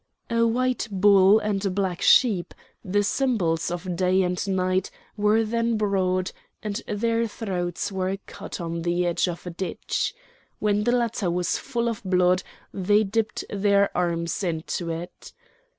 A white bull and a black sheep, the symbols of day and night, were then brought, and their throats were cut on the edge of a ditch. When the latter was full of blood they dipped their arms into it.